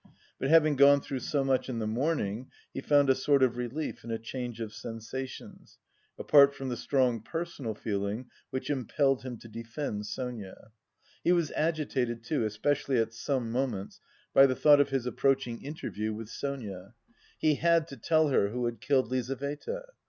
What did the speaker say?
But having gone through so much in the morning, he found a sort of relief in a change of sensations, apart from the strong personal feeling which impelled him to defend Sonia. He was agitated too, especially at some moments, by the thought of his approaching interview with Sonia: he had to tell her who had killed Lizaveta.